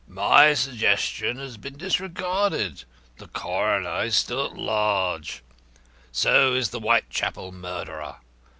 My suggestion has been disregarded. The coroner is still at large. So is the Whitechapel murderer.